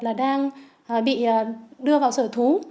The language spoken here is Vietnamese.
là đang bị đưa vào sở thú